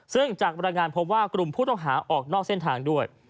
ซึ่งจากพรรดงานพบว่ากลุมพูดอาหารออกนอกเซ่นทางด้วย